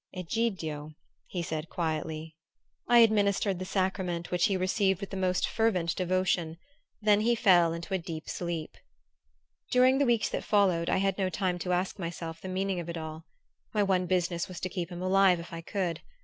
"Egidio," he said quietly. I administered the sacrament, which he received with the most fervent devotion; then he fell into a deep sleep. During the weeks that followed I had no time to ask myself the meaning of it all. My one business was to keep him alive if I could.